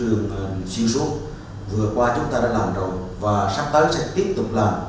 thì đó là một chủ trương xuyên suốt vừa qua chúng ta đã làm rồi và sắp tới sẽ tiếp tục làm